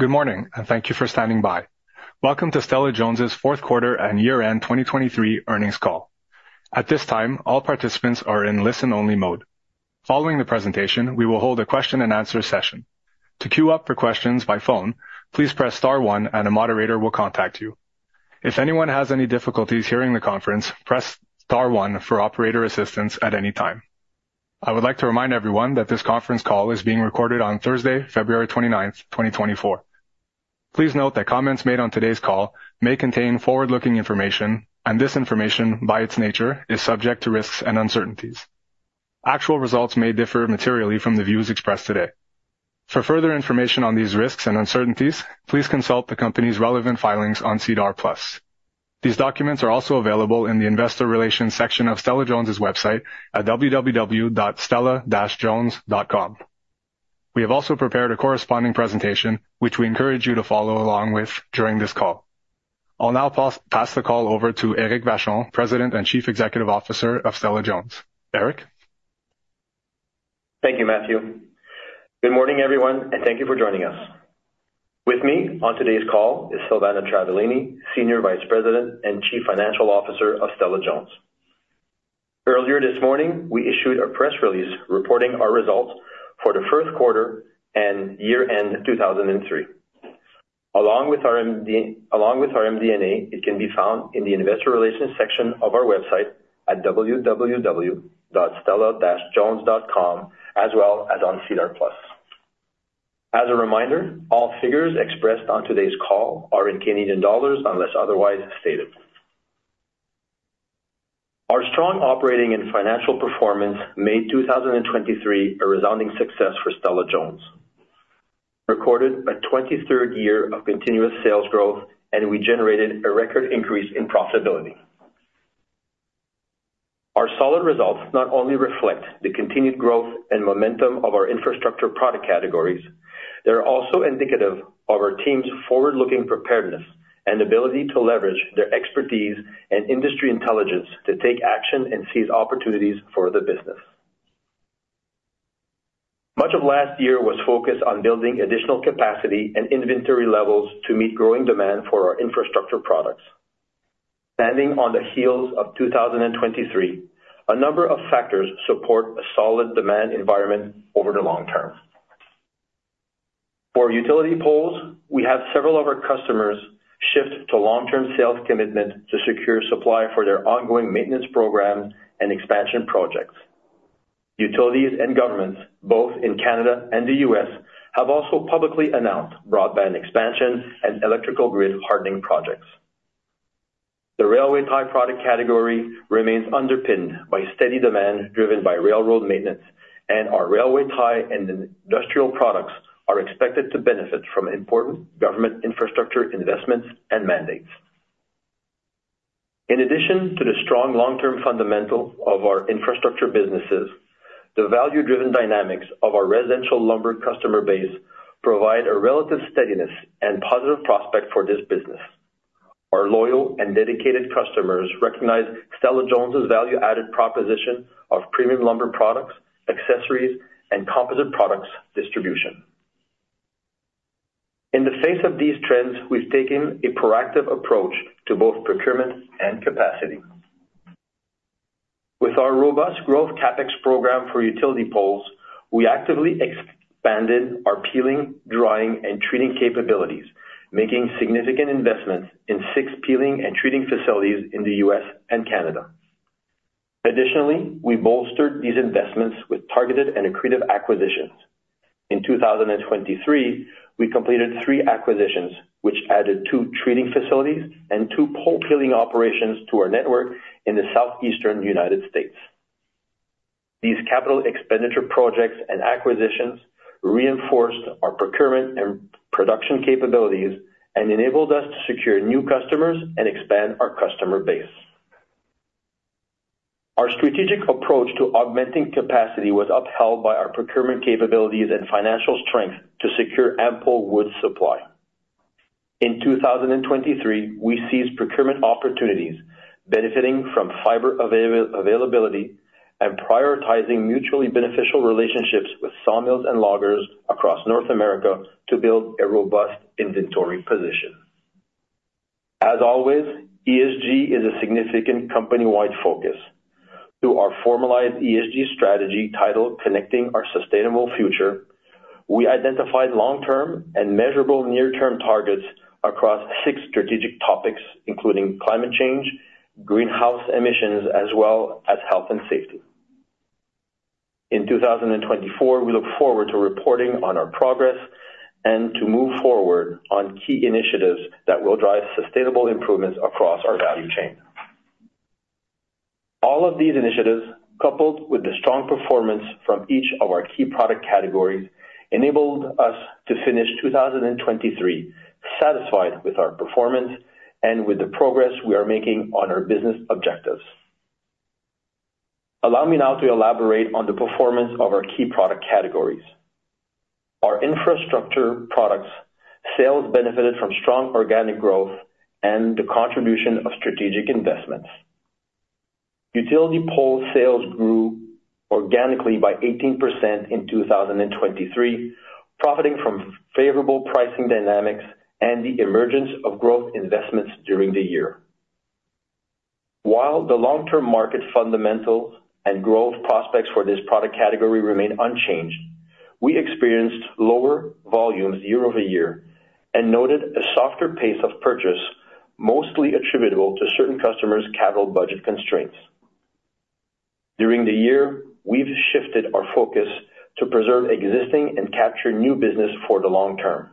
Good morning, and thank you for standing by. Welcome to Stella-Jones' fourth quarter and year-end 2023 earnings call. At this time, all participants are in listen-only mode. Following the presentation, we will hold a question-and-answer session. To queue up for questions by phone, please press star one and a moderator will contact you. If anyone has any difficulties hearing the conference, press star one for operator assistance at any time. I would like to remind everyone that this conference call is being recorded on Thursday, February 29th, 2024. Please note that comments made on today's call may contain forward-looking information, and this information, by its nature, is subject to risks and uncertainties. Actual results may differ materially from the views expressed today. For further information on these risks and uncertainties, please consult the company's relevant filings on SEDAR+. These documents are also available in the investor relations section of Stella-Jones' website at www.stella-jones.com. We have also prepared a corresponding presentation, which we encourage you to follow along with during this call. I'll now pass the call over to Éric Vachon, President and Chief Executive Officer of Stella-Jones. Éric? Thank you, Matthew. Good morning, everyone, and thank you for joining us. With me on today's call is Silvana Travaglini, Senior Vice President and Chief Financial Officer of Stella-Jones. Earlier this morning, we issued a press release reporting our results for the first quarter and year-end 2023. Along with our MD&A, it can be found in the investor relations section of our website at www.stellajones.com, as well as on SEDAR+. As a reminder, all figures expressed on today's call are in Canadian dollars unless otherwise stated. Our strong operating and financial performance made 2023 a resounding success for Stella-Jones. Recorded a 23rd year of continuous sales growth, and we generated a record increase in profitability. Our solid results not only reflect the continued growth and momentum of our infrastructure product categories. They are also indicative of our team's forward-looking preparedness and ability to leverage their expertise and industry intelligence to take action and seize opportunities for the business. Much of last year was focused on building additional capacity and inventory levels to meet growing demand for our infrastructure products. On the heels of 2023, a number of factors support a solid demand environment over the long term. For utility poles, we have several of our customers shift to long-term sales commitment to secure supply for their ongoing maintenance programs and expansion projects. Utilities and governments, both in Canada and the U.S., have also publicly announced broadband expansion and electrical grid hardening projects. The railway tie product category remains underpinned by steady demand driven by railroad maintenance, and our railway tie and industrial products are expected to benefit from important government infrastructure investments and mandates. In addition to the strong long-term fundamental of our infrastructure businesses, the value-driven dynamics of our residential lumber customer base provide a relative steadiness and positive prospect for this business. Our loyal and dedicated customers recognize Stella-Jones' value-added proposition of premium lumber products, accessories, and composite products distribution. In the face of these trends, we've taken a proactive approach to both procurement and capacity. With our robust growth CapEx program for utility poles, we actively expanded our peeling, drying, and treating capabilities, making significant investments in six peeling and treating facilities in the U.S. and Canada. Additionally, we bolstered these investments with targeted and accretive acquisitions. In 2023, we completed 3 acquisitions, which added 2 treating facilities and 2 pole peeling operations to our network in the southeastern United States. These capital expenditure projects and acquisitions reinforced our procurement and production capabilities and enabled us to secure new customers and expand our customer base. Our strategic approach to augmenting capacity was upheld by our procurement capabilities and financial strength to secure ample wood supply. In 2023, we seized procurement opportunities, benefiting from fiber availability and prioritizing mutually beneficial relationships with sawmills and loggers across North America to build a robust inventory position. As always, ESG is a significant company-wide focus. Through our formalized ESG strategy titled Connecting Our Sustainable Future, we identified long-term and measurable near-term targets across 6 strategic topics, including climate change, greenhouse emissions, as well as health and safety. In 2024, we look forward to reporting on our progress and to move forward on key initiatives that will drive sustainable improvements across our value chain. All of these initiatives, coupled with the strong performance from each of our key product categories, enabled us to finish 2023 satisfied with our performance and with the progress we are making on our business objectives. Allow me now to elaborate on the performance of our key product categories. Our infrastructure products sales benefited from strong organic growth and the contribution of strategic investments. Utility pole sales grew organically by 18% in 2023, profiting from favorable pricing dynamics and the emergence of growth investments during the year. While the long-term market fundamentals and growth prospects for this product category remain unchanged, we experienced lower volumes year-over-year and noted a softer pace of purchase, mostly attributable to certain customers' capital budget constraints. During the year, we've shifted our focus to preserve existing and capture new business for the long term.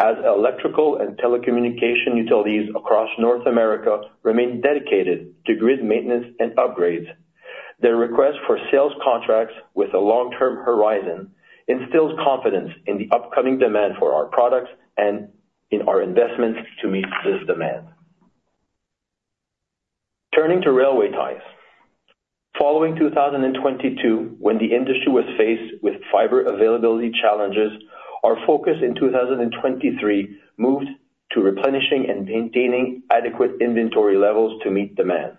As electrical and telecommunication utilities across North America remain dedicated to grid maintenance and upgrades, their request for sales contracts with a long-term horizon instills confidence in the upcoming demand for our products and in our investments to meet this demand. Turning to railway ties. Following 2022, when the industry was faced with fiber availability challenges, our focus in 2023 moved to replenishing and maintaining adequate inventory levels to meet demand.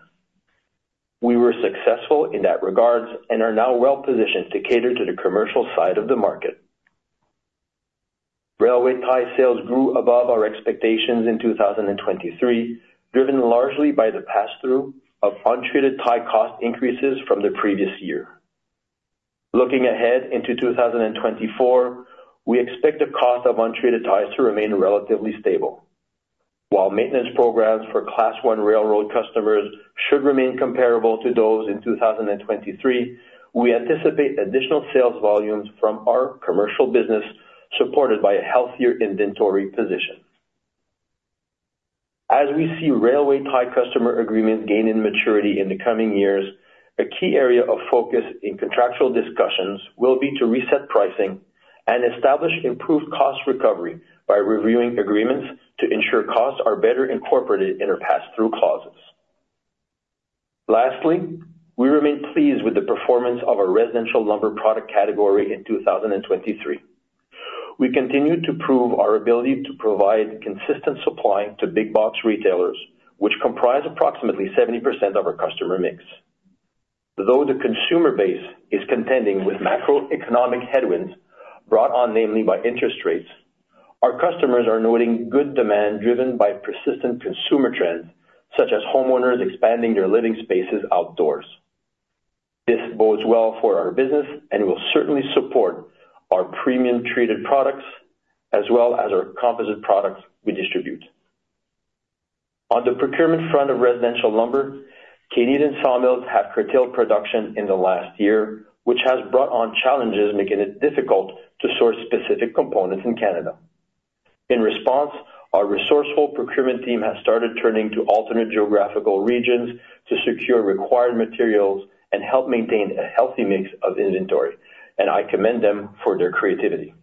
We were successful in that regards and are now well-positioned to cater to the commercial side of the market. Railway ties sales grew above our expectations in 2023, driven largely by the pass-through of untreated tie cost increases from the previous year. Looking ahead into 2024, we expect the cost of untreated ties to remain relatively stable. While maintenance programs for Class 1 Railroad customers should remain comparable to those in 2023, we anticipate additional sales volumes from our commercial business supported by a healthier inventory position. As we see railway tie customer agreements gain in maturity in the coming years, a key area of focus in contractual discussions will be to reset pricing and establish improved cost recovery by reviewing agreements to ensure costs are better incorporated in our pass-through clauses. Lastly, we remain pleased with the performance of our residential lumber product category in 2023. We continue to prove our ability to provide consistent supply to big-box retailers, which comprise approximately 70% of our customer mix. Though the consumer base is contending with macroeconomic headwinds brought on namely by interest rates, our customers are noting good demand driven by persistent consumer trends such as homeowners expanding their living spaces outdoors. This bodes well for our business and will certainly support our premium treated products as well as our composite products we distribute. On the procurement front of residential lumber, Canadian sawmills have curtailed production in the last year, which has brought on challenges making it difficult to source specific components in Canada. In response, our resourceful procurement team has started turning to alternate geographical regions to secure required materials and help maintain a healthy mix of inventory, and I commend them for their creativity.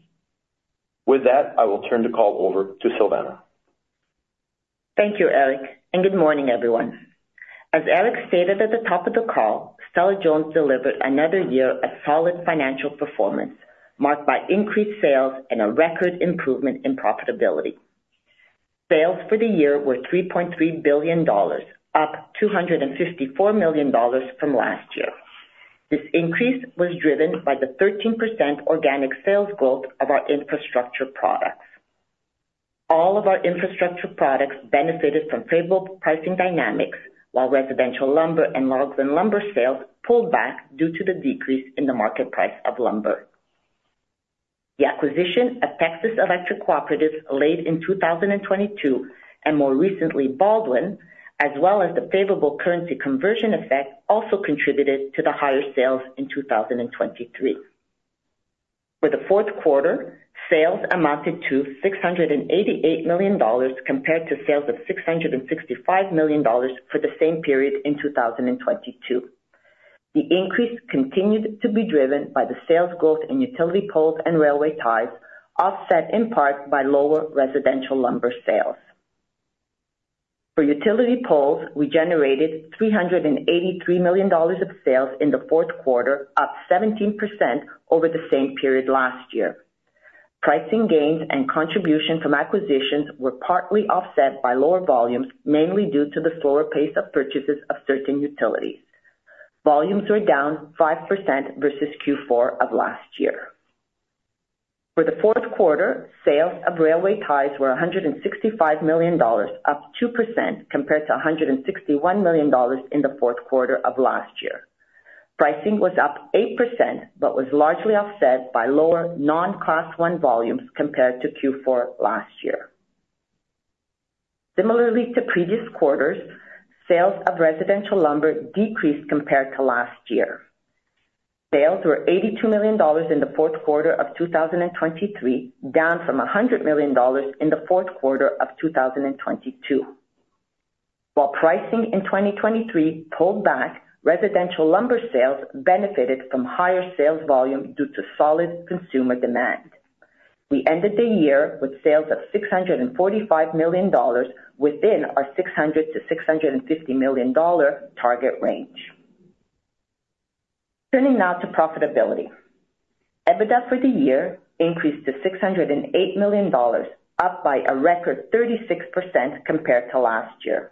With that, I will turn the call over to Silvana. Thank you, Éric, and good morning, everyone. As Éric stated at the top of the call, Stella-Jones delivered another year of solid financial performance marked by increased sales and a record improvement in profitability. Sales for the year were 3.3 billion dollars, up 254 million dollars from last year. This increase was driven by the 13% organic sales growth of our infrastructure products. All of our infrastructure products benefited from favorable pricing dynamics, while residential lumber and logs and lumber sales pulled back due to the decrease in the market price of lumber. The acquisition of Texas Electric Cooperatives late in 2022 and more recently Baldwin, as well as the favorable currency conversion effect, also contributed to the higher sales in 2023. For the fourth quarter, sales amounted to 688 million dollars compared to sales of 665 million dollars for the same period in 2022. The increase continued to be driven by the sales growth in utility poles and railway ties, offset in part by lower residential lumber sales. For utility poles, we generated 383 million dollars of sales in the fourth quarter, up 17% over the same period last year. Pricing gains and contribution from acquisitions were partly offset by lower volumes, mainly due to the slower pace of purchases of certain utilities. Volumes were down 5% versus Q4 of last year. For the fourth quarter, sales of railway ties were 165 million dollars, up 2% compared to 161 million dollars in the fourth quarter of last year. Pricing was up 8% but was largely offset by lower non-Class 1 volumes compared to Q4 last year. Similarly to previous quarters, sales of residential lumber decreased compared to last year. Sales were 82 million dollars in the fourth quarter of 2023, down from 100 million dollars in the fourth quarter of 2022. While pricing in 2023 pulled back, residential lumber sales benefited from higher sales volume due to solid consumer demand. We ended the year with sales of 645 million dollars within our 600 million-650 million dollar target range. Turning now to profitability. EBITDA for the year increased to 608 million dollars, up by a record 36% compared to last year.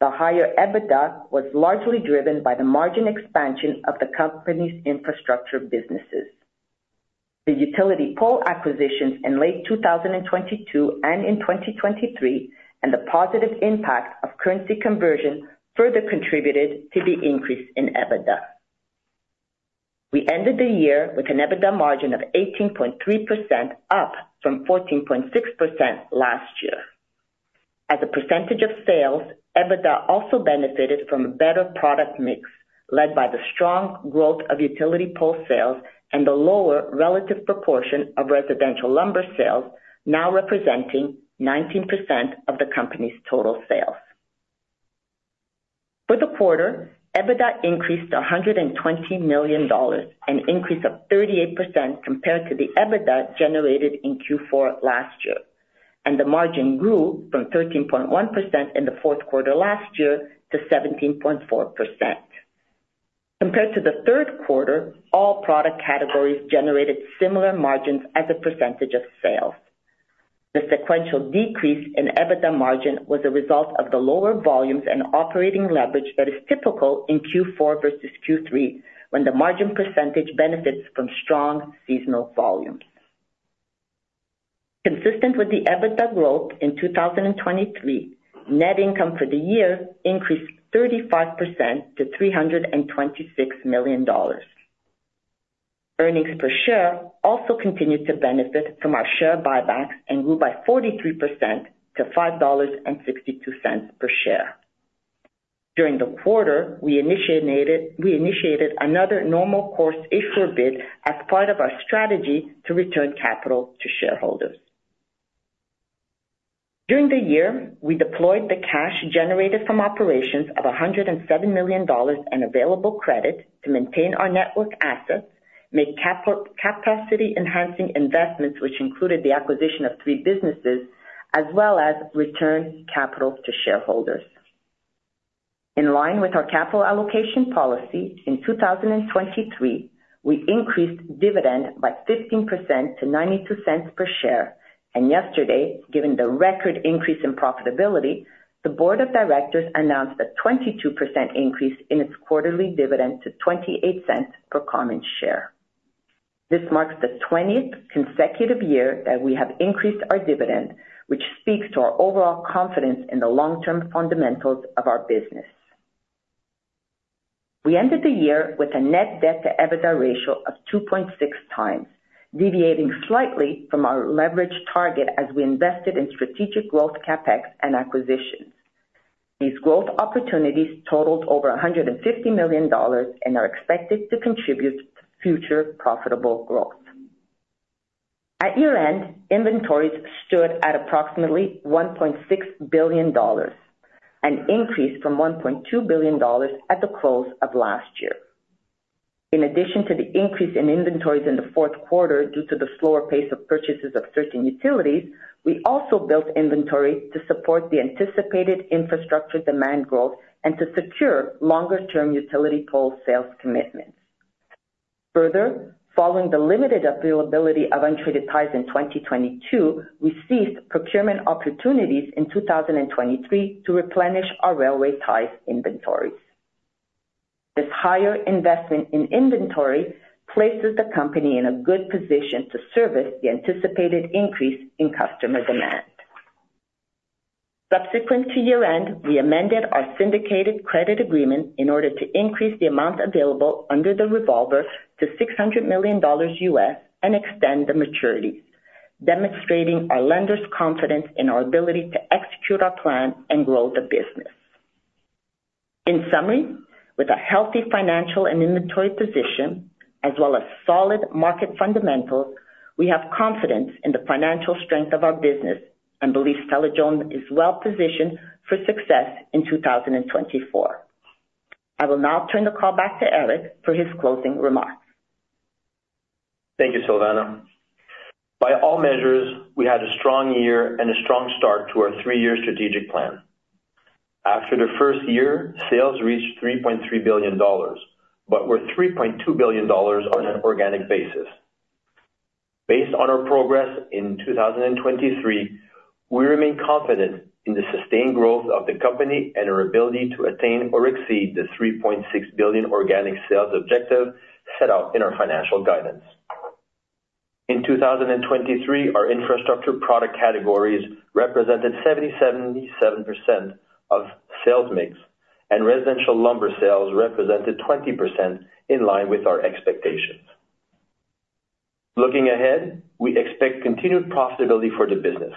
The higher EBITDA was largely driven by the margin expansion of the company's infrastructure businesses. The utility pole acquisitions in late 2022 and in 2023, and the positive impact of currency conversion, further contributed to the increase in EBITDA. We ended the year with an EBITDA margin of 18.3%, up from 14.6% last year. As a percentage of sales, EBITDA also benefited from a better product mix led by the strong growth of utility pole sales and the lower relative proportion of residential lumber sales, now representing 19% of the company's total sales. For the quarter, EBITDA increased to 120 million dollars, an increase of 38% compared to the EBITDA generated in Q4 last year, and the margin grew from 13.1% in the fourth quarter last year to 17.4%. Compared to the third quarter, all product categories generated similar margins as a percentage of sales. The sequential decrease in EBITDA margin was a result of the lower volumes and operating leverage that is typical in Q4 versus Q3 when the margin percentage benefits from strong seasonal volumes. Consistent with the EBITDA growth in 2023, net income for the year increased 35% to 326 million dollars. Earnings per share also continued to benefit from our share buybacks and grew by 43% to 5.62 dollars per share. During the quarter, we initiated another normal course issuer bid as part of our strategy to return capital to shareholders. During the year, we deployed the cash generated from operations of 107 million dollars in available credit to maintain our network assets, make capacity-enhancing investments, which included the acquisition of three businesses, as well as return capital to shareholders. In line with our capital allocation policy, in 2023, we increased dividend by 15% to 0.92 per share, and yesterday, given the record increase in profitability, the board of directors announced a 22% increase in its quarterly dividend to 0.28 per common share. This marks the 20th consecutive year that we have increased our dividend, which speaks to our overall confidence in the long-term fundamentals of our business. We ended the year with a net debt-to-EBITDA ratio of 2.6x, deviating slightly from our leveraged target as we invested in strategic growth CapEx and acquisitions. These growth opportunities totaled over 150 million dollars and are expected to contribute to future profitable growth. At year-end, inventories stood at approximately 1.6 billion dollars, an increase from 1.2 billion dollars at the close of last year. In addition to the increase in inventories in the fourth quarter due to the slower pace of purchases of certain utilities, we also built inventory to support the anticipated infrastructure demand growth and to secure longer-term utility pole sales commitments. Further, following the limited availability of untreated ties in 2022, we ceased procurement opportunities in 2023 to replenish our railway ties inventories. This higher investment in inventory places the company in a good position to service the anticipated increase in customer demand. Subsequent to year-end, we amended our syndicated credit agreement in order to increase the amount available under the revolver to $600 million and extend the maturities, demonstrating our lenders' confidence in our ability to execute our plan and grow the business. In summary, with a healthy financial and inventory position, as well as solid market fundamentals, we have confidence in the financial strength of our business and believe Stella-Jones is well-positioned for success in 2024. I will now turn the call back to Éric for his closing remarks. Thank you, Silvana. By all measures, we had a strong year and a strong start to our three-year strategic plan. After the first year, sales reached 3.3 billion dollars, but were 3.2 billion dollars on an organic basis. Based on our progress in 2023, we remain confident in the sustained growth of the company and our ability to attain or exceed the 3.6 billion organic sales objective set out in our financial guidance. In 2023, our infrastructure product categories represented 77% of sales mix, and residential lumber sales represented 20% in line with our expectations. Looking ahead, we expect continued profitability for the business.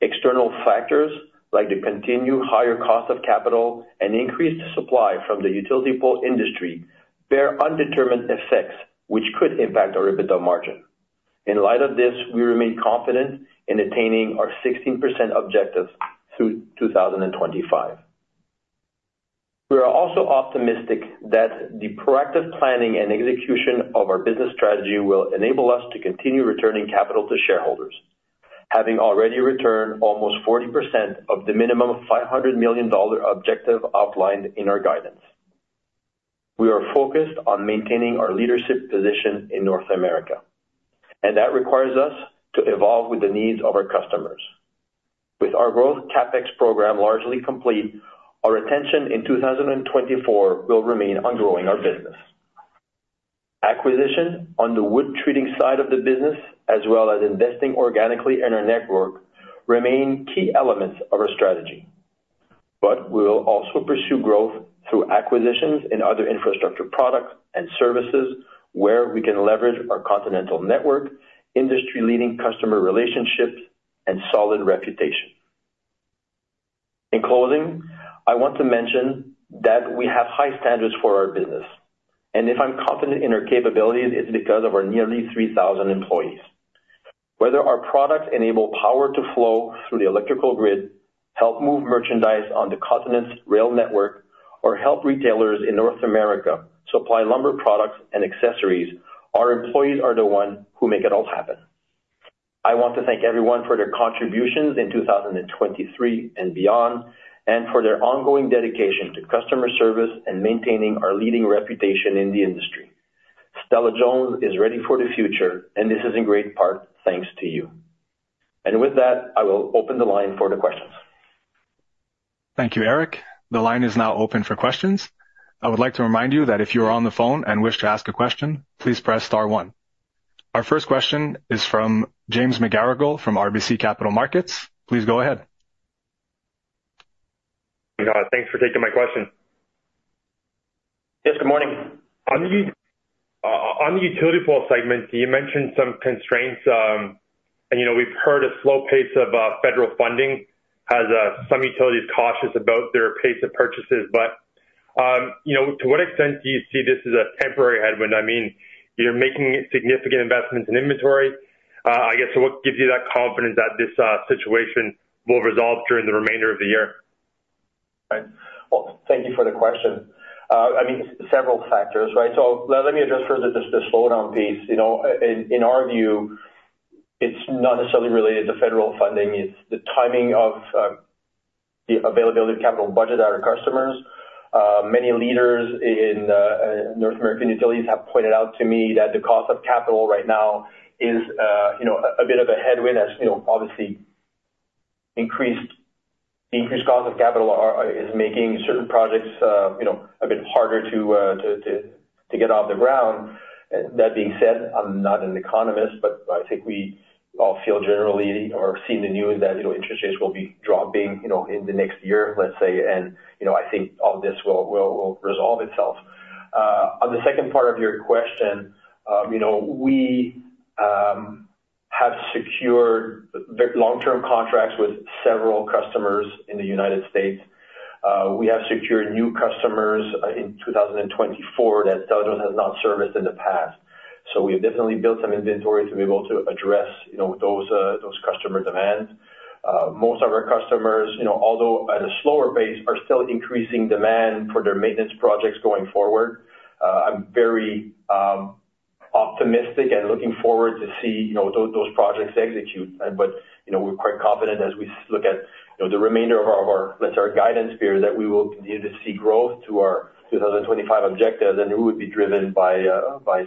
External factors like the continued higher cost of capital and increased supply from the utility pole industry bear undetermined effects, which could impact our EBITDA margin. In light of this, we remain confident in attaining our 16% objectives through 2025. We are also optimistic that the proactive planning and execution of our business strategy will enable us to continue returning capital to shareholders, having already returned almost 40% of the minimum 500 million dollar objective outlined in our guidance. We are focused on maintaining our leadership position in North America, and that requires us to evolve with the needs of our customers. With our growth CapEx program largely complete, our attention in 2024 will remain on growing our business. Acquisition on the wood treating side of the business, as well as investing organically in our network, remain key elements of our strategy. But we will also pursue growth through acquisitions in other infrastructure products and services where we can leverage our continental network, industry-leading customer relationships, and solid reputation. In closing, I want to mention that we have high standards for our business, and if I'm confident in our capabilities, it's because of our nearly 3,000 employees. Whether our products enable power to flow through the electrical grid, help move merchandise on the continent's rail network, or help retailers in North America supply lumber products and accessories, our employees are the ones who make it all happen. I want to thank everyone for their contributions in 2023 and beyond, and for their ongoing dedication to customer service and maintaining our leading reputation in the industry. Stella-Jones is ready for the future, and this is in great part thanks to you. With that, I will open the line for the questions. Thank you, Éric. The line is now open for questions. I would like to remind you that if you are on the phone and wish to ask a question, please press star one. Our first question is from James McGarragle from RBC Capital Markets. Please go ahead. Thanks for taking my question. Yes, good morning. On the utility pole segment, you mentioned some constraints, and we've heard a slow pace of federal funding has some utilities cautious about their pace of purchases. But to what extent do you see this as a temporary headwind? I mean, you're making significant investments in inventory. I guess, what gives you that confidence that this situation will resolve during the remainder of the year? Well, thank you for the question. I mean, several factors, right? So let me address further this slowdown piece. In our view, it's not necessarily related to federal funding. It's the timing of the availability of capital budgeted at our customers. Many leaders in North American utilities have pointed out to me that the cost of capital right now is a bit of a headwind, as obviously, the increased cost of capital is making certain projects a bit harder to get off the ground. That being said, I'm not an economist, but I think we all feel generally or see in the news that interest rates will be dropping in the next year, let's say, and I think all this will resolve itself. On the second part of your question, we have secured long-term contracts with several customers in the United States. We have secured new customers in 2024 that Stella-Jones has not serviced in the past. So we have definitely built some inventory to be able to address those customer demands. Most of our customers, although at a slower pace, are still increasing demand for their maintenance projects going forward. I'm very optimistic and looking forward to see those projects execute, but we're quite confident as we look at the remainder of our, let's say, our guidance period, that we will continue to see growth to our 2025 objectives, and it would be driven by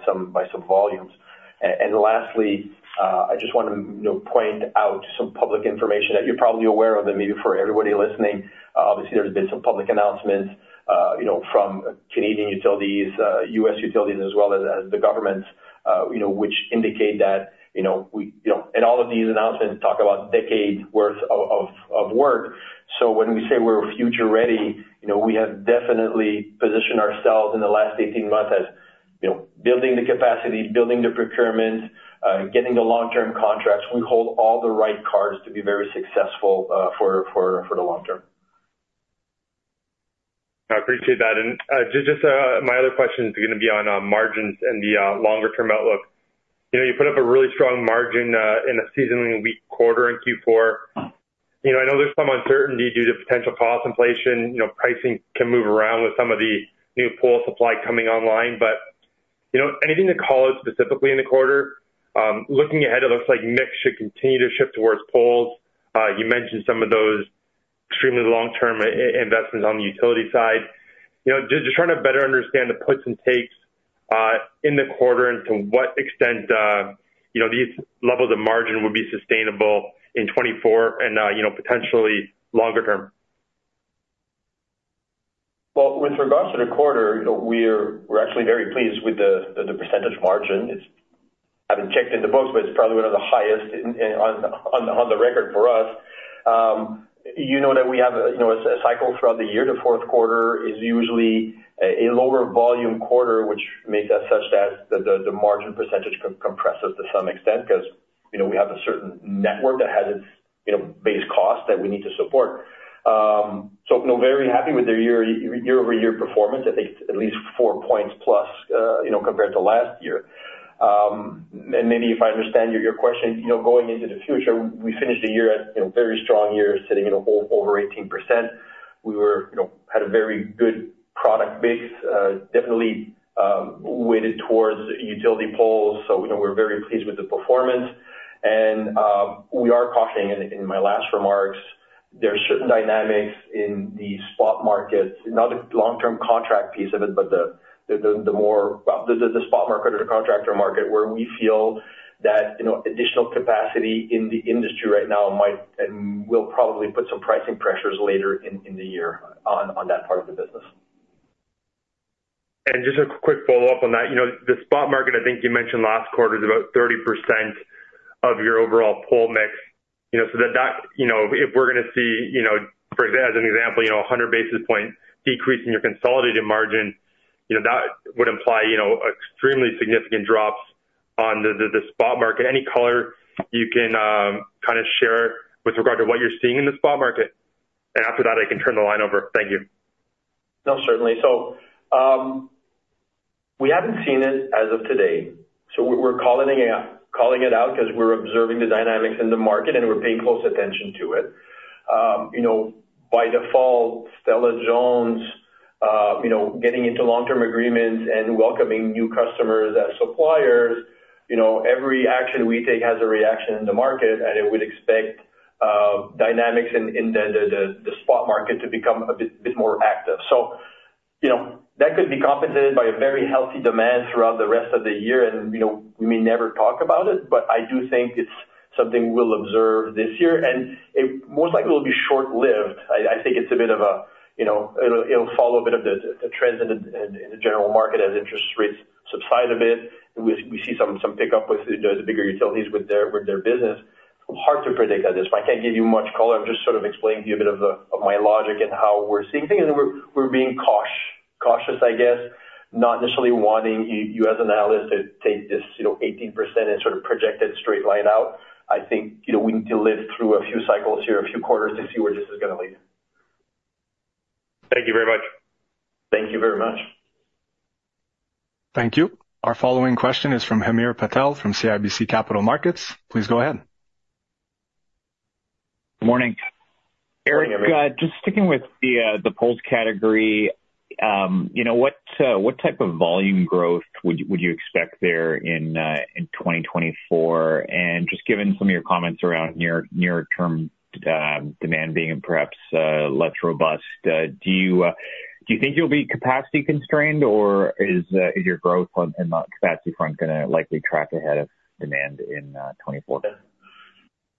some volumes. And lastly, I just want to point out some public information that you're probably aware of, and maybe for everybody listening, obviously, there's been some public announcements from Canadian utilities, U.S. utilities, as well as the governments, which indicate that we and all of these announcements talk about decades' worth of work. When we say we're future-ready, we have definitely positioned ourselves in the last 18 months as building the capacity, building the procurements, getting the long-term contracts. We hold all the right cards to be very successful for the long term. I appreciate that. Just my other question is going to be on margins and the longer-term outlook. You put up a really strong margin in a seasonally weak quarter in Q4. I know there's some uncertainty due to potential cost inflation. Pricing can move around with some of the new pole supply coming online, but anything to call out specifically in the quarter? Looking ahead, it looks like mix should continue to shift towards poles. You mentioned some of those extremely long-term investments on the utility side. Just trying to better understand the puts and takes in the quarter and to what extent these levels of margin would be sustainable in 2024 and potentially longer term. Well, with regard to the quarter, we're actually very pleased with the percentage margin. I haven't checked in the books, but it's probably one of the highest on the record for us. You know that we have a cycle throughout the year. The fourth quarter is usually a lower volume quarter, which makes it such that the margin percentage compresses to some extent because we have a certain network that has its base cost that we need to support. So very happy with the year-over-year performance. I think at least four points plus compared to last year. And maybe if I understand your question, going into the future, we finished the year as a very strong year, sitting over 18%. We had a very good product mix, definitely weighted towards utility poles. So we're very pleased with the performance. And we are cautioning in my last remarks. There are certain dynamics in the spot markets, not the long-term contract piece of it, but the more well, the spot market or the contractor market where we feel that additional capacity in the industry right now might and will probably put some pricing pressures later in the year on that part of the business. Just a quick follow-up on that. The spot market, I think you mentioned last quarter is about 30% of your overall pole mix. So if we're going to see, for as an example, 100 basis points decrease in your consolidated margin, that would imply extremely significant drops on the spot market. Any color you can kind of share with regard to what you're seeing in the spot market. After that, I can turn the line over. Thank you. No, certainly. So we haven't seen it as of today. So we're calling it out because we're observing the dynamics in the market, and we're paying close attention to it. By default, Stella-Jones getting into long-term agreements and welcoming new customers as suppliers, every action we take has a reaction in the market, and it would expect dynamics in the spot market to become a bit more active. So that could be compensated by a very healthy demand throughout the rest of the year, and we may never talk about it, but I do think it's something we'll observe this year. And it most likely will be short-lived. I think it's a bit of a it'll follow a bit of the trends in the general market as interest rates subside a bit. We see some pickup with the bigger utilities with their business. Hard to predict at this point. I can't give you much color. I'm just sort of explaining to you a bit of my logic and how we're seeing things. We're being cautious, I guess, not necessarily wanting you as an analyst to take this 18% and sort of project it straight line out. I think we need to live through a few cycles here, a few quarters, to see where this is going to lead. Thank you very much. Thank you very much. Thank you. Our following question is from Hamir Patel from CIBC Capital Markets. Please go ahead. Good morning. Éric, just sticking with the poles category, what type of volume growth would you expect there in 2024? Just given some of your comments around near-term demand being perhaps less robust, do you think you'll be capacity-constrained, or is your growth on the capacity front going to likely track ahead of demand in 2024?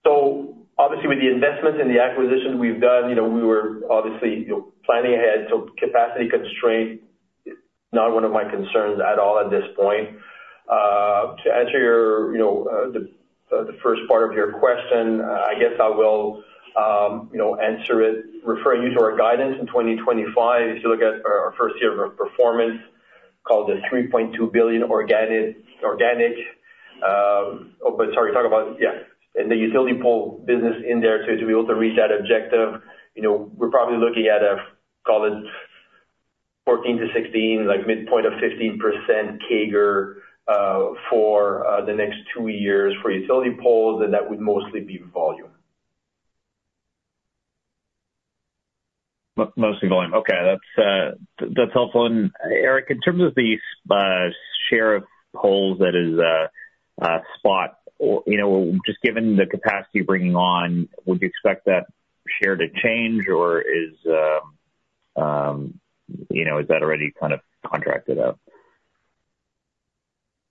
So obviously, with the investments and the acquisitions we've done, we were obviously planning ahead. So capacity constraint, not one of my concerns at all at this point. To answer the first part of your question, I guess I will answer it referring you to our guidance in 2025. If you look at our first year of performance, call it the 3.2 billion organic oh, but sorry, talk about yeah. And the utility pole business in there to be able to reach that objective, we're probably looking at a call it 14-16, midpoint of 15% CAGR for the next two years for utility poles, and that would mostly be volume. Mostly volume. Okay. That's helpful. Éric, in terms of the share of poles that is spot, just given the capacity you're bringing on, would you expect that share to change, or is that already kind of contracted up?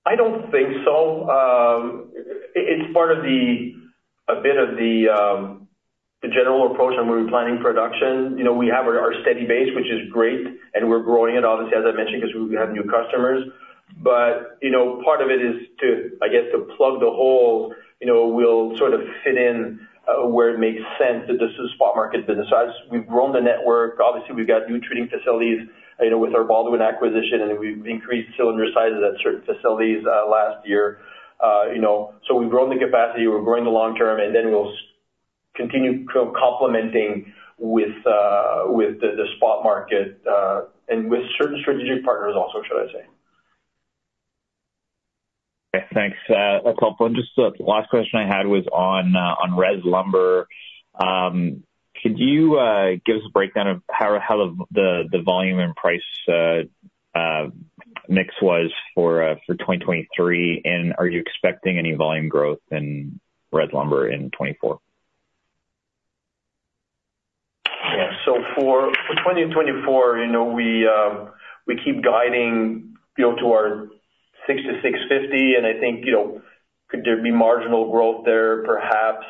I don't think so. It's part of a bit of the general approach on when we're planning production. We have our steady base, which is great, and we're growing it, obviously, as I mentioned, because we have new customers. But part of it is, I guess, to plug the hole, we'll sort of fit in where it makes sense that this is a spot market business. We've grown the network. Obviously, we've got new treating facilities with our Baldwin acquisition, and we've increased cylinder sizes at certain facilities last year. So we've grown the capacity. We're growing the long-term, and then we'll continue complementing with the spot market and with certain strategic partners also, should I say. Okay. Thanks. That's helpful. And just the last question I had was on residential lumber. Could you give us a breakdown of how the volume and price mix was for 2023, and are you expecting any volume growth in residential lumber in 2024? Yeah. So for 2024, we keep guiding to our 600 million-650 million, and I think, could there be marginal growth there, perhaps?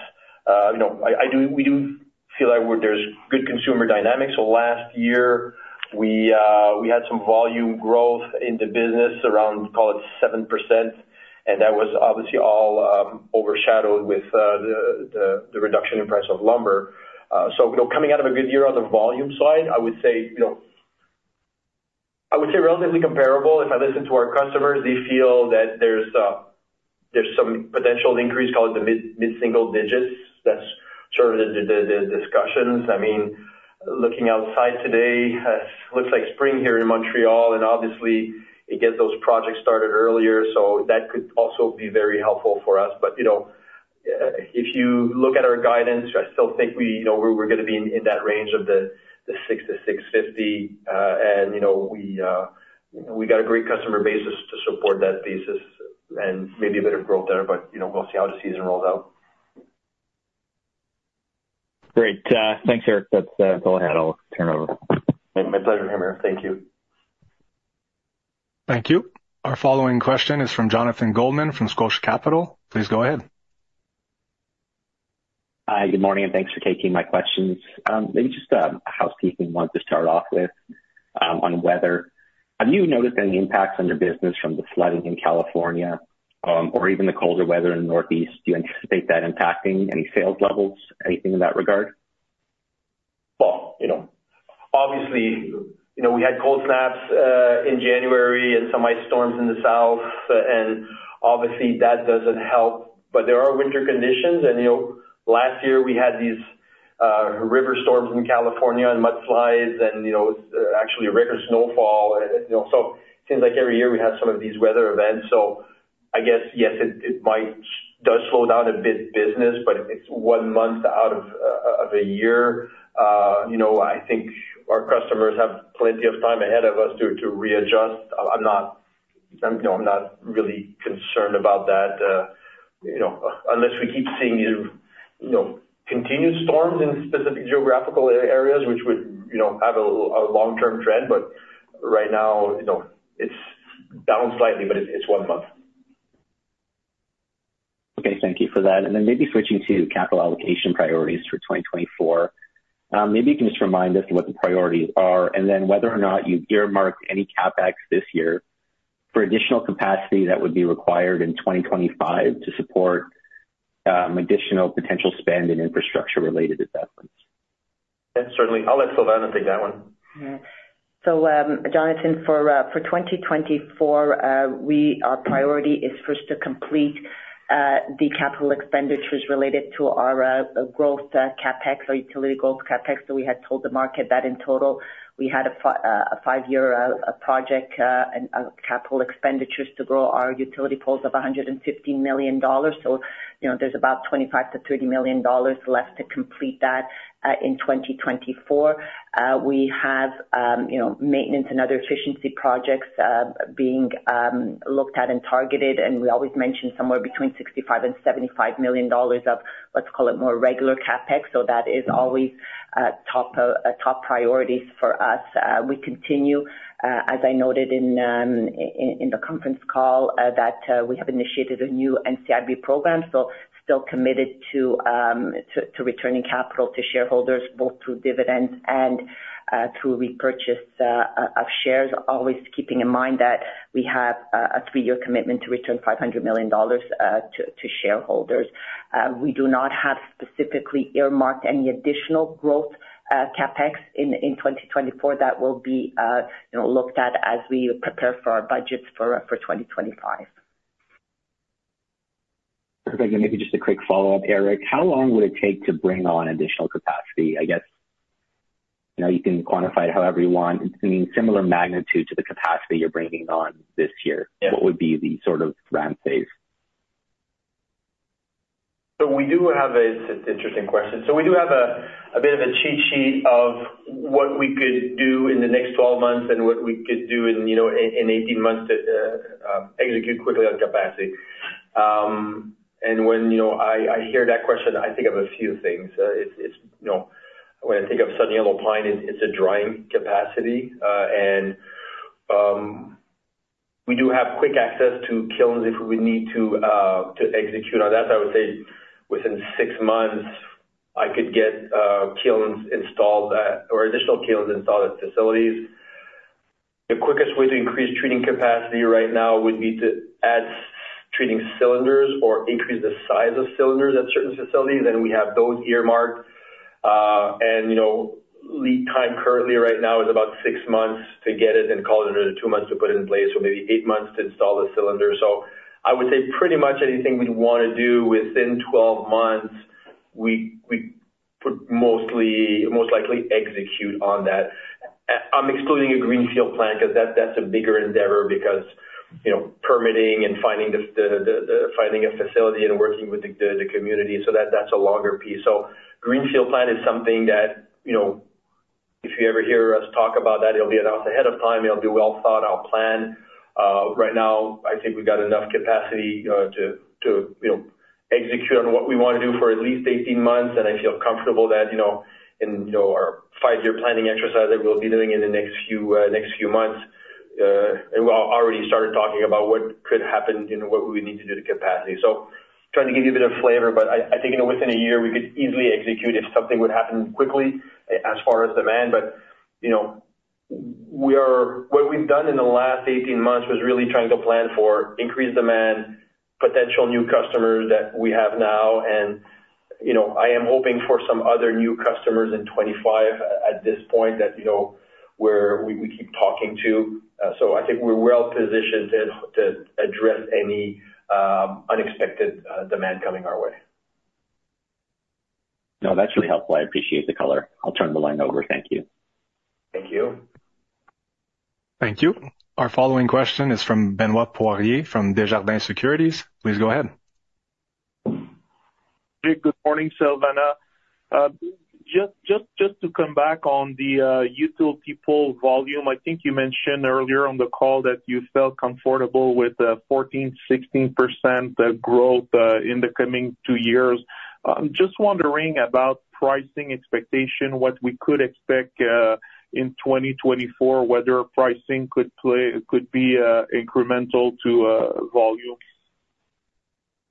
We do feel like there's good consumer dynamics. So last year, we had some volume growth in the business around, call it 7%, and that was obviously all overshadowed with the reduction in price of lumber. So coming out of a good year on the volume side, I would say relatively comparable. If I listen to our customers, they feel that there's some potential increase, call it the mid-single digits. That's sort of the discussions. I mean, looking outside today, it looks like spring here in Montreal, and obviously, it gets those projects started earlier, so that could also be very helpful for us. But if you look at our guidance, I still think we're going to be in that range of 6-650, and we got a great customer base to support that basis and maybe a bit of growth there, but we'll see how the season rolls out. Great. Thanks, Éric. That's all I had. I'll turn over. My pleasure, Hamir. Thank you. Thank you. Our following question is from Jonathan Goldman from Scotia Capital. Please go ahead. Hi. Good morning, and thanks for taking my questions. Maybe just a housekeeping one to start off with on weather. Have you noticed any impacts on your business from the flooding in California or even the colder weather in the Northeast? Do you anticipate that impacting any sales levels, anything in that regard? Well, obviously, we had cold snaps in January and some ice storms in the south, and obviously, that doesn't help. But there are winter conditions, and last year, we had these river storms in California and mudslides and actually a record snowfall. So it seems like every year, we have some of these weather events. So I guess, yes, it does slow down a bit business, but it's one month out of a year. I think our customers have plenty of time ahead of us to readjust. I'm not really concerned about that unless we keep seeing these continued storms in specific geographical areas, which would have a long-term trend. But right now, it's down slightly, but it's one month. Okay. Thank you for that. And then maybe switching to capital allocation priorities for 2024. Maybe you can just remind us what the priorities are and then whether or not you've earmarked any CapEx this year for additional capacity that would be required in 2025 to support additional potential spend in infrastructure-related assets. Yes, certainly. I'll let Silvana take that one. So, Jonathan, for 2024, our priority is first to complete the capital expenditures related to our growth CapEx or utility growth CapEx. So we had told the market that in total, we had a five-year project and capital expenditures to grow our utility poles of 115 million dollars. So there's about 25 million-30 million dollars left to complete that in 2024. We have maintenance and other efficiency projects being looked at and targeted, and we always mention somewhere between 65 million and 75 million dollars of, let's call it, more regular CapEx. So that is always top priorities for us. We continue, as I noted in the conference call, that we have initiated a new NCIB program, so still committed to returning capital to shareholders both through dividends and through repurchase of shares, always keeping in mind that we have a three-year commitment to return 500 million dollars to shareholders. We do not have specifically earmarked any additional growth CapEx in 2024. That will be looked at as we prepare for our budgets for 2025. Perfect. Maybe just a quick follow-up, Éric. How long would it take to bring on additional capacity? I guess you can quantify it however you want. I mean, similar magnitude to the capacity you're bringing on this year. What would be the sort of ramp phase? It's an interesting question. So we do have a bit of a cheat sheet of what we could do in the next 12 months and what we could do in 18 months to execute quickly on capacity. And when I hear that question, I think of a few things. When I think of Southern Yellow Pine, it's a drying capacity. And we do have quick access to kilns if we would need to execute on that. I would say within 6 months, I could get kilns installed or additional kilns installed at facilities. The quickest way to increase treating capacity right now would be to add treating cylinders or increase the size of cylinders at certain facilities. And we have those earmarked. Lead time currently right now is about 6 months to get it and call it another 2 months to put it in place, or maybe 8 months to install the cylinder. I would say pretty much anything we'd want to do within 12 months, we'd most likely execute on that. I'm excluding a greenfield plant because that's a bigger endeavor because permitting and finding a facility and working with the community. That's a longer piece. Greenfield plant is something that if you ever hear us talk about that, it'll be announced ahead of time. It'll be well thought out planned. Right now, I think we've got enough capacity to execute on what we want to do for at least 18 months, and I feel comfortable that in our five-year planning exercise that we'll be doing in the next few months, we'll already started talking about what could happen and what we would need to do to capacity. So trying to give you a bit of flavor, but I think within a year, we could easily execute if something would happen quickly as far as demand. But what we've done in the last 18 months was really trying to plan for increased demand, potential new customers that we have now. And I am hoping for some other new customers in 2025 at this point that we keep talking to. So I think we're well positioned to address any unexpected demand coming our way. No, that's really helpful. I appreciate the color. I'll turn the line over. Thank you. Thank you. Thank you. Our following question is from Benoît Poirier from Desjardins Securities. Please go ahead. Éric, good morning, Silvana. Just to come back on the utility pole volume, I think you mentioned earlier on the call that you felt comfortable with 14%-16% growth in the coming two years. I'm just wondering about pricing expectation, what we could expect in 2024, whether pricing could be incremental to volume.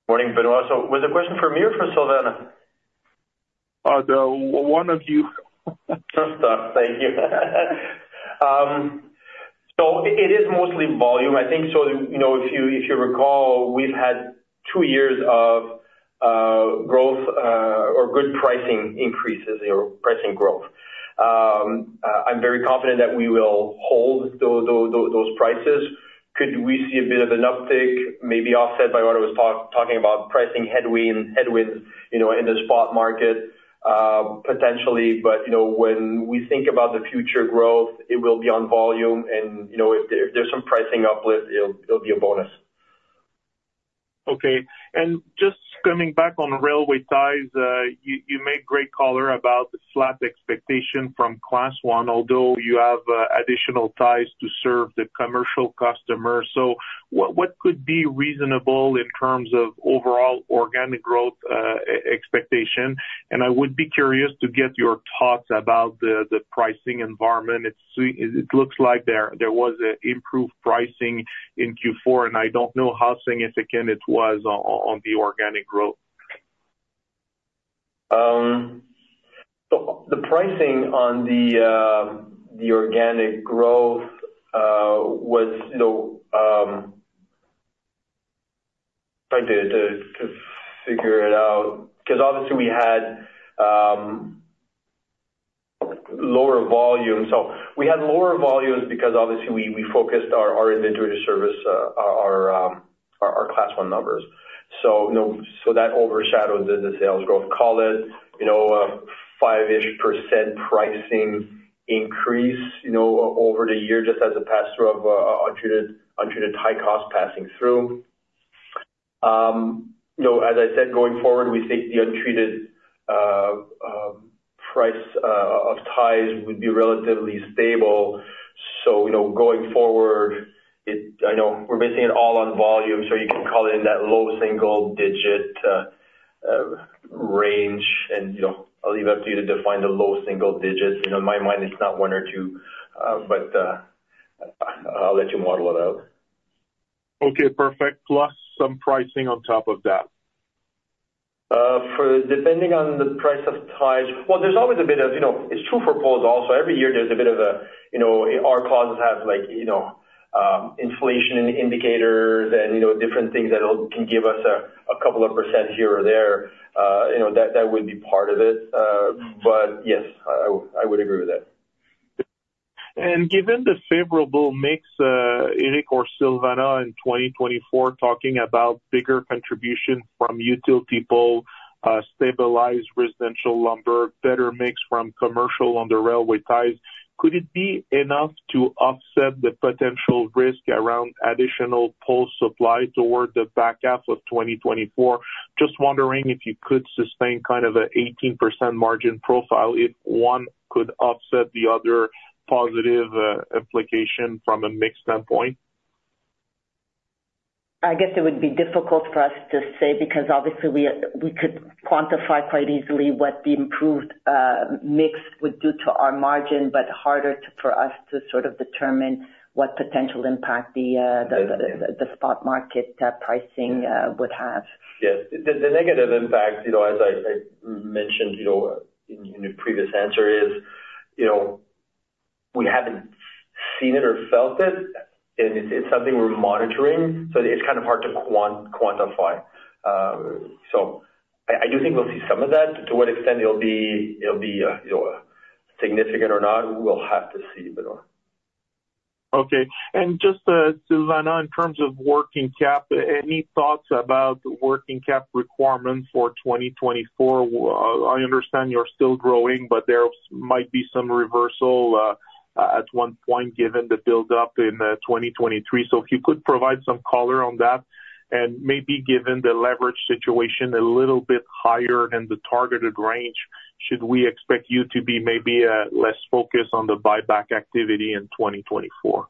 Morning, Benoît. So was it a question for me or for Silvana? One of you. First off, thank you. So it is mostly volume, I think. So if you recall, we've had two years of growth or good pricing increases or pricing growth. I'm very confident that we will hold those prices. Could we see a bit of an uptick, maybe offset by what I was talking about, pricing headwinds in the spot market potentially? But when we think about the future growth, it will be on volume, and if there's some pricing uplift, it'll be a bonus. Okay. Just coming back on railway ties, you made great color about the flat expectation from Class 1, although you have additional ties to serve the commercial customer. So what could be reasonable in terms of overall organic growth expectation? I would be curious to get your thoughts about the pricing environment. It looks like there was improved pricing in Q4, and I don't know how significant it was on the organic growth. So the pricing on the organic growth was trying to figure it out because obviously, we had lower volume. So we had lower volumes because obviously, we focused our inventory to service our Class 1 numbers. So that overshadowed the sales growth. Call it a 5-ish% pricing increase over the year just as it passed through of untreated high cost passing through. As I said, going forward, we think the untreated price of ties would be relatively stable. So going forward, I know we're basing it all on volume, so you can call it in that low single digit range. And I'll leave it up to you to define the low single digits. In my mind, it's not one or two, but I'll let you model it out. Okay. Perfect. Plus some pricing on top of that. Depending on the price of ties, well, there's always a bit of it. It's true for poles also. Every year, there's a bit of a, our poles have inflation indicators and different things that can give us a couple of % here or there. That would be part of it. But yes, I would agree with that. Given the favorable mix, Éric or Silvana in 2024 talking about bigger contribution from utility pole, stabilized residential lumber, better mix from commercial on the railway ties, could it be enough to offset the potential risk around additional pole supply toward the back half of 2024? Just wondering if you could sustain kind of a 18% margin profile if one could offset the other positive implication from a mix standpoint? I guess it would be difficult for us to say because obviously, we could quantify quite easily what the improved mix would do to our margin, but harder for us to sort of determine what potential impact the spot market pricing would have. Yes. The negative impact, as I mentioned in your previous answer, is we haven't seen it or felt it, and it's something we're monitoring. So it's kind of hard to quantify. So I do think we'll see some of that. To what extent it'll be significant or not, we'll have to see, Benoît. Okay. And just Silvana, in terms of working cap, any thoughts about working cap requirements for 2024? I understand you're still growing, but there might be some reversal at one point given the buildup in 2023. So if you could provide some color on that and maybe given the leverage situation a little bit higher than the targeted range, should we expect you to be maybe less focused on the buyback activity in 2024?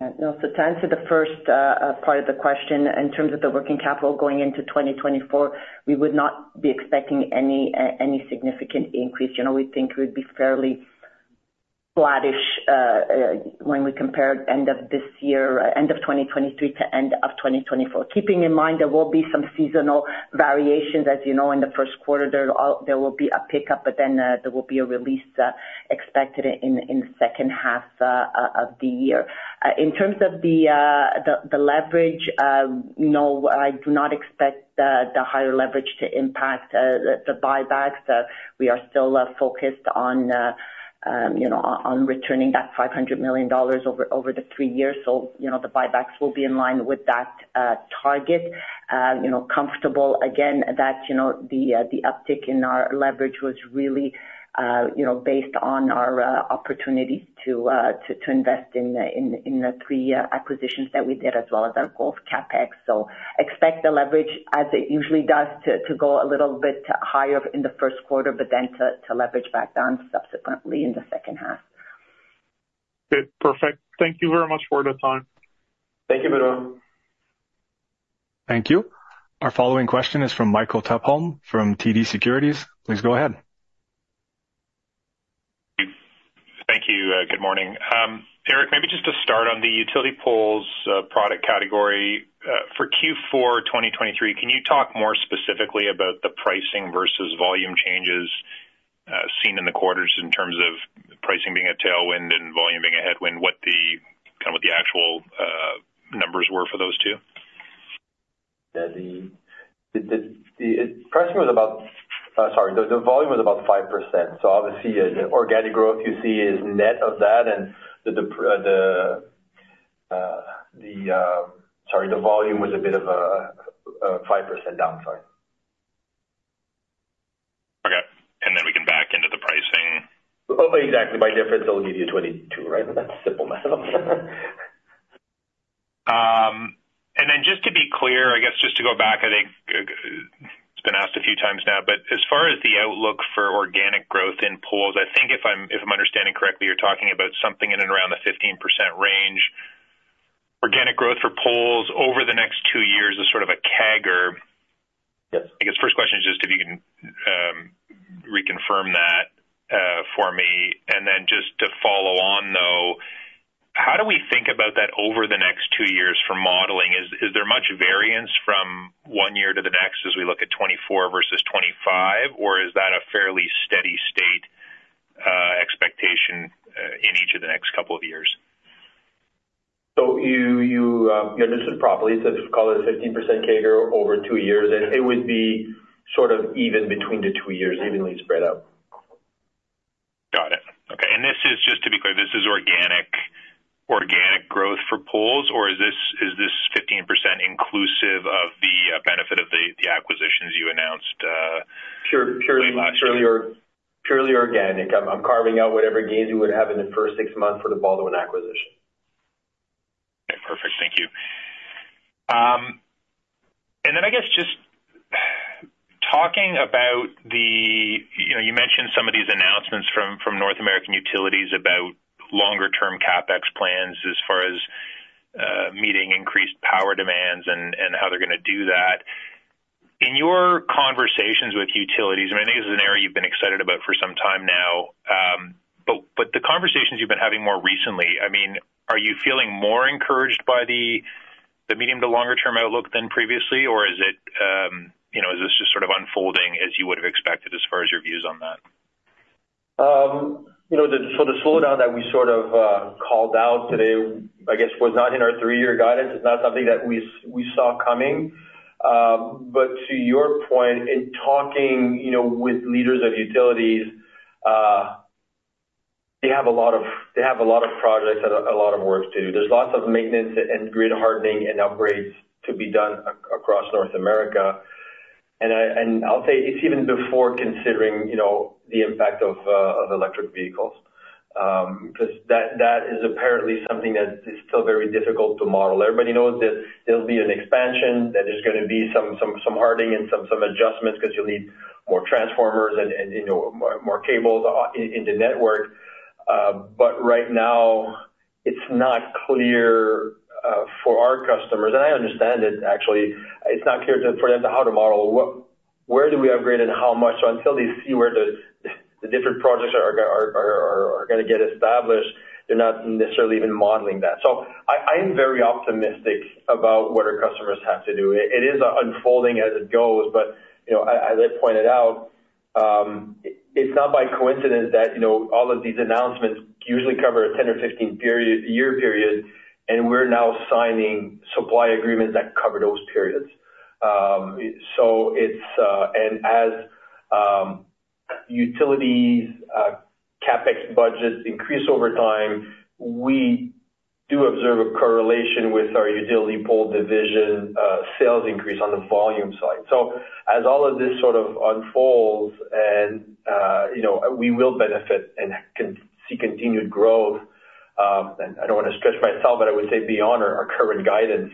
To answer the first part of the question, in terms of the working capital going into 2024, we would not be expecting any significant increase. We think it would be fairly flat-ish when we compare end of this year, end of 2023, to end of 2024, keeping in mind there will be some seasonal variations. As you know, in the first quarter, there will be a pickup, but then there will be a release expected in the second half of the year. In terms of the leverage, no, I do not expect the higher leverage to impact the buybacks. We are still focused on returning that 500 million dollars over the three years. So the buybacks will be in line with that target. Comfortable, again, that the uptick in our leverage was really based on our opportunities to invest in the three acquisitions that we did as well as our growth CapEx. So expect the leverage, as it usually does, to go a little bit higher in the first quarter, but then to leverage back down subsequently in the second half. Okay. Perfect. Thank you very much for the time. Thank you, Benoît. Thank you. Our following question is from Michael Tupholme from TD Securities. Please go ahead. Thank you. Good morning. Éric, maybe just to start on the utility poles product category, for Q4 2023, can you talk more specifically about the pricing versus volume changes seen in the quarters in terms of pricing being a tailwind and volume being a headwind, kind of what the actual numbers were for those two? Pricing was about—sorry, the volume was about 5%. So obviously, the organic growth you see is net of that. And sorry, the volume was a bit of a 5% downside. Okay. And then we can back into the pricing. Exactly. By difference, it'll give you 22, right? That's a simple math. And then just to be clear, I guess just to go back, I think it's been asked a few times now, but as far as the outlook for organic growth in poles, I think if I'm understanding correctly, you're talking about something in and around the 15% range. Organic growth for poles over the next two years is sort of a CAGR. I guess first question is just if you can reconfirm that for me. And then just to follow on, though, how do we think about that over the next two years for modeling? Is there much variance from one year to the next as we look at 2024 versus 2025, or is that a fairly steady state expectation in each of the next couple of years? So you understood properly. Let's call it a 15% CAGR over two years. It would be sort of even between the two years, evenly spread out. Got it. Okay. This is just to be clear, this is organic growth for poles, or is this 15% inclusive of the benefit of the acquisitions you announced late last year? Purely organic. I'm carving out whatever gains we would have in the first six months for the Baldwin acquisition. Okay. Perfect. Thank you. And then I guess just talking about that you mentioned some of these announcements from North American utilities about longer-term CapEx plans as far as meeting increased power demands and how they're going to do that. In your conversations with utilities I mean, I think this is an area you've been excited about for some time now. But the conversations you've been having more recently, I mean, are you feeling more encouraged by the medium- to longer-term outlook than previously, or is this just sort of unfolding as you would have expected as far as your views on that? So the slowdown that we sort of called out today, I guess, was not in our three-year guidance. It's not something that we saw coming. But to your point, in talking with leaders of utilities, they have a lot of projects and a lot of work to do. There's lots of maintenance and grid hardening and upgrades to be done across North America. And I'll say it's even before considering the impact of electric vehicles because that is apparently something that is still very difficult to model. Everybody knows that there'll be an expansion, that there's going to be some hardening and some adjustments because you'll need more transformers and more cables in the network. But right now, it's not clear for our customers and I understand it, actually. It's not clear for them how to model. Where do we upgrade and how much? So until they see where the different projects are going to get established, they're not necessarily even modeling that. So I am very optimistic about what our customers have to do. It is unfolding as it goes. But as I pointed out, it's not by coincidence that all of these announcements usually cover a 10-year or 15-year period, and we're now signing supply agreements that cover those periods. And as utilities' CapEx budgets increase over time, we do observe a correlation with our utility pole division sales increase on the volume side. So as all of this sort of unfolds, and we will benefit and see continued growth and I don't want to stretch myself, but I would say beyond our current guidance.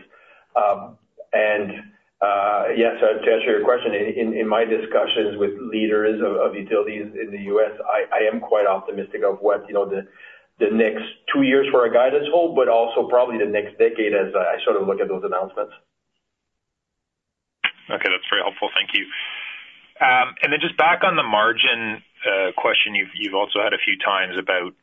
Yes, to answer your question, in my discussions with leaders of utilities in the U.S., I am quite optimistic of what the next two years for our guidance hold, but also probably the next decade as I sort of look at those announcements. Okay. That's very helpful. Thank you. Then just back on the margin question you've also had a few times about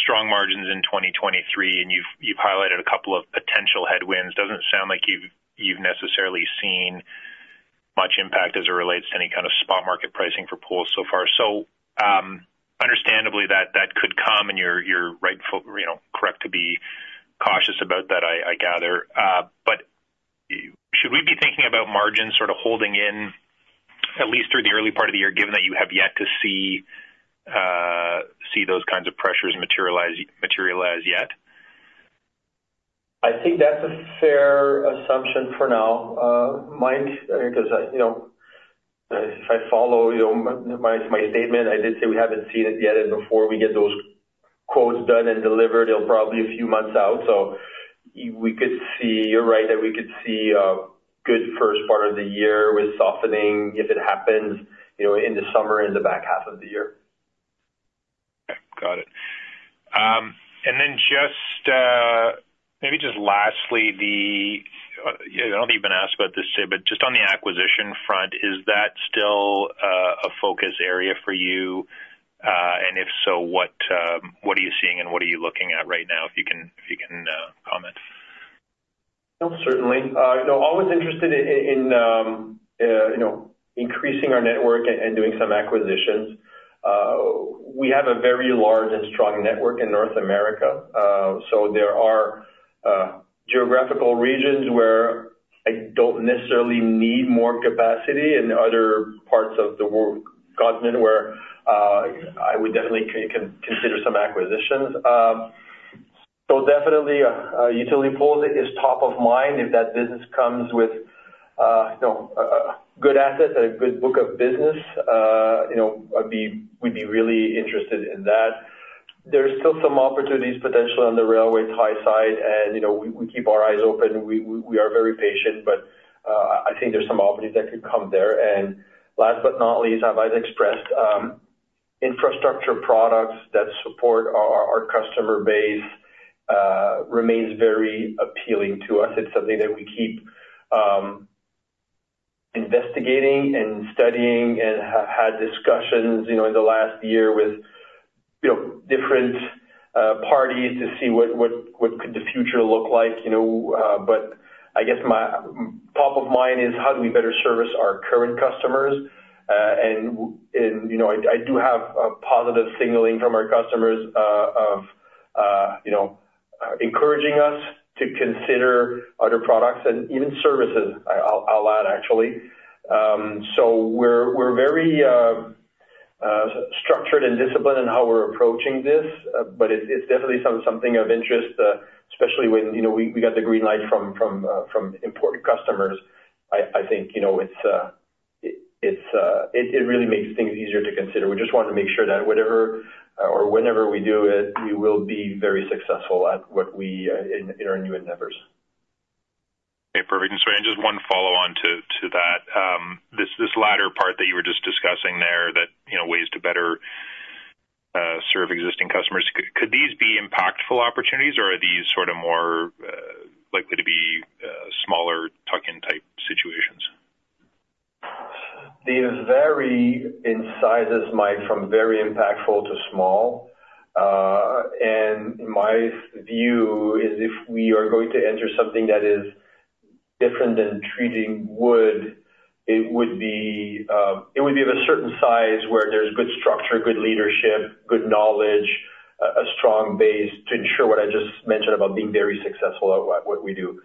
strong margins in 2023, and you've highlighted a couple of potential headwinds. Doesn't sound like you've necessarily seen much impact as it relates to any kind of spot market pricing for poles so far. So understandably, that could come, and you're rightfully correct to be cautious about that, I gather. But should we be thinking about margins sort of holding in at least through the early part of the year given that you have yet to see those kinds of pressures materialize yet? I think that's a fair assumption for now, Mike, because if I follow my statement, I did say we haven't seen it yet. Before we get those quotes done and delivered, it'll probably be a few months out. We could see you're right that we could see a good first part of the year with softening if it happens in the summer and the back half of the year. Okay. Got it. And then maybe just lastly, I don't think you've been asked about this today, but just on the acquisition front, is that still a focus area for you? And if so, what are you seeing, and what are you looking at right now if you can comment? Oh, certainly. Always interested in increasing our network and doing some acquisitions. We have a very large and strong network in North America. So there are geographical regions where I don't necessarily need more capacity and other parts of the continent where I would definitely consider some acquisitions. So definitely, utility poles is top of mind. If that business comes with good assets and a good book of business, we'd be really interested in that. There's still some opportunities potentially on the railway ties side, and we keep our eyes open. We are very patient, but I think there's some opportunities that could come there. And last but not least, infrastructure products that support our customer base remains very appealing to us. It's something that we keep investigating and studying and have had discussions in the last year with different parties to see what could the future look like. I guess top of mind is how do we better service our current customers? I do have positive signaling from our customers of encouraging us to consider other products and even services, I'll add, actually. We're very structured and disciplined in how we're approaching this, but it's definitely something of interest, especially when we got the green light from important customers. I think it really makes things easier to consider. We just want to make sure that whatever or whenever we do it, we will be very successful at what we in our new endeavors. Okay. Perfect. Just one follow-on to that, this latter part that you were just discussing there that ways to better serve existing customers, could these be impactful opportunities, or are these sort of more likely to be smaller tuck-in type situations? They vary in size, Mike, from very impactful to small. My view is if we are going to enter something that is different than treating wood, it would be of a certain size where there's good structure, good leadership, good knowledge, a strong base to ensure what I just mentioned about being very successful at what we do.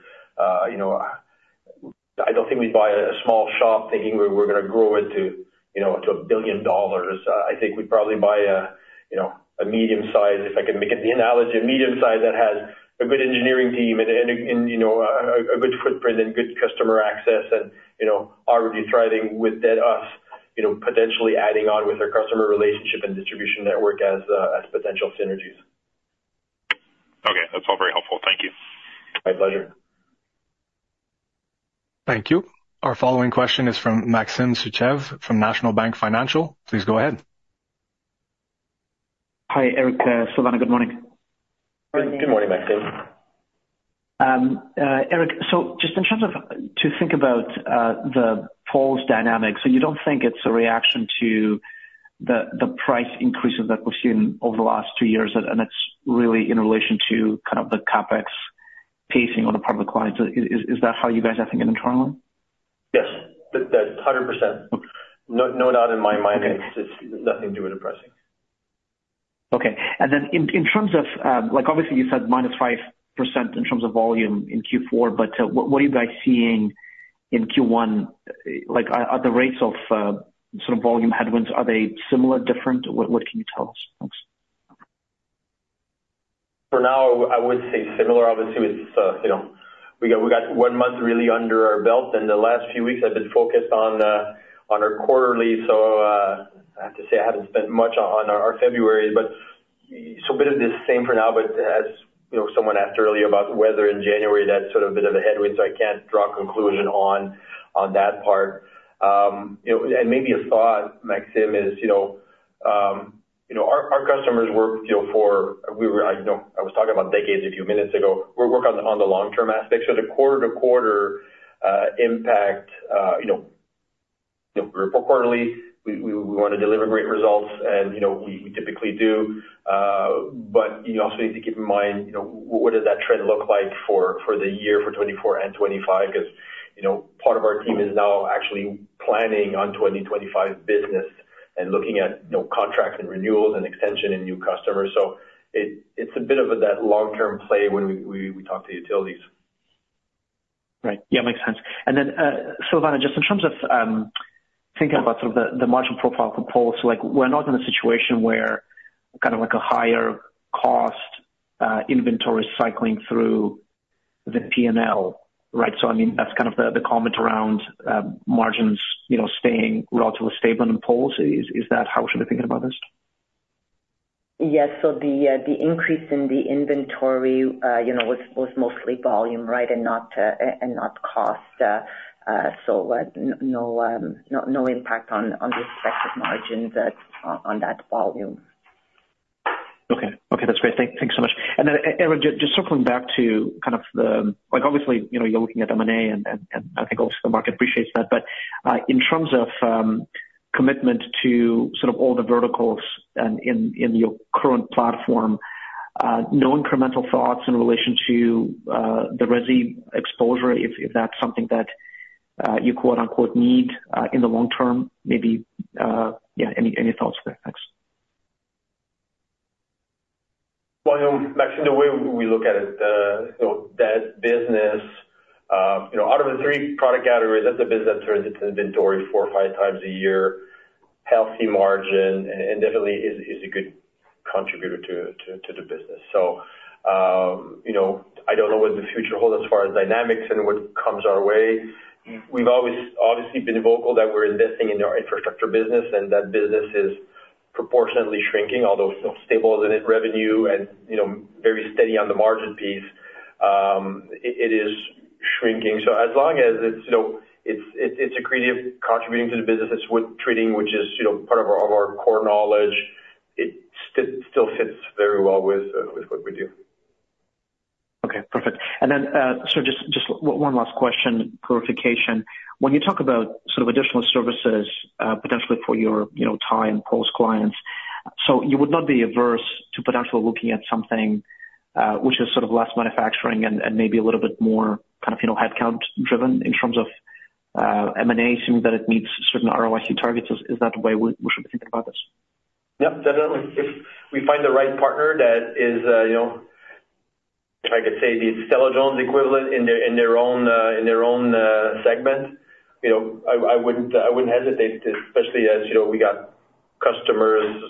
I don't think we'd buy a small shop thinking we're going to grow it to 1 billion dollars. I think we'd probably buy a medium-size if I can make the analogy a medium-size that has a good engineering team and a good footprint and good customer access and already thriving within us, potentially adding on with our customer relationship and distribution network as potential synergies. Okay. That's all very helpful. Thank you. My pleasure. Thank you. Our following question is from Maxim Sytchev from National Bank Financial. Please go ahead. Hi, Éric. Silvana, good morning. Good morning, Maxim. Éric, just in terms of the poles dynamic, so you don't think it's a reaction to the price increases that we've seen over the last two years, and it's really in relation to kind of the CapEx pacing on the part of the clients. Is that how you guys are thinking internally? Yes, 100%. No doubt in my mind, it's nothing to do with the pricing. Okay. And then in terms of obviously, you said -5% in terms of volume in Q4, but what are you guys seeing in Q1? Are the rates of sort of volume headwinds, are they similar, different? What can you tell us? For now, I would say similar. Obviously, we got one month really under our belt, and the last few weeks, I've been focused on our quarterly. So I have to say I haven't spent much on our February, but so a bit of the same for now. But as someone asked earlier about weather in January, that's sort of a bit of a headwind, so I can't draw a conclusion on that part. And maybe a thought, Maxim, is our customers work for I was talking about decades a few minutes ago. We work on the long-term aspects. So the quarter-to-quarter impact we report quarterly. We want to deliver great results, and we typically do. But you also need to keep in mind, what does that trend look like for the year, for 2024 and 2025? Because part of our team is now actually planning on 2025 business and looking at contracts and renewals and extension and new customers. It's a bit of that long-term play when we talk to utilities. Right. Yeah, makes sense. And then, Silvana, just in terms of thinking about sort of the margin profile for poles, we're not in a situation where kind of a higher cost inventory is cycling through the P&L, right? So I mean, that's kind of the comment around margins staying relatively stable in poles. Is that how we should be thinking about this? Yes. So the increase in the inventory was mostly volume, right, and not cost. So no impact on the expected margins on that volume. Okay. Okay. That's great. Thanks so much. And then, Éric, just circling back to kind of the obviously, you're looking at M&A, and I think obviously, the market appreciates that. But in terms of commitment to sort of all the verticals in your current platform, no incremental thoughts in relation to the resi exposure if that's something that you "need" in the long term? Maybe, yeah, any thoughts there? Thanks. Well, Maxim, the way we look at it, tie business out of the three product categories, that's a business that turns its inventory 4x or 5x a year, healthy margin, and definitely is a good contributor to the business. So I don't know what the future holds as far as dynamics and what comes our way. We've always obviously been vocal that we're investing in our infrastructure business, and that business is proportionately shrinking, although stable as in revenue and very steady on the margin piece. It is shrinking. So as long as it's a key contributing to the business, it's wood treating, which is part of our core knowledge. It still fits very well with what we do. Okay. Perfect. And then so just one last question, clarification. When you talk about sort of additional services, potentially for your tie and pole clients, so you would not be averse to potentially looking at something which is sort of less manufacturing and maybe a little bit more kind of headcount-driven in terms of M&A, seeing that it meets certain ROIC targets. Is that the way we should be thinking about this? Yep, definitely. If we find the right partner that is, if I could say, the Stella-Jones equivalent in their own segment, I wouldn't hesitate, especially as we got customers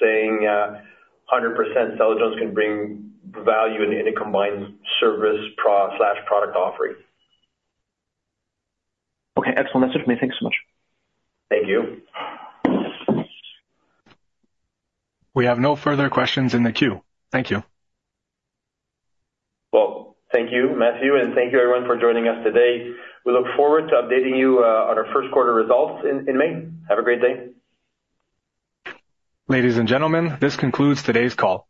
saying 100% Stella-Jones can bring value in a combined service/product offering. Okay. Excellent message from me. Thanks so much. Thank you. We have no further questions in the queue. Thank you. Well, thank you, Matthew, and thank you, everyone, for joining us today. We look forward to updating you on our first quarter results in May. Have a great day. Ladies and gentlemen, this concludes today's call.